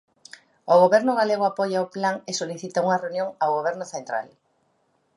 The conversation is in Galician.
O goberno galego apoia o plan e solicita unha reunión ao goberno central.